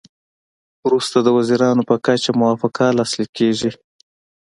وروسته د وزیرانو په کچه موافقه لاسلیک کیږي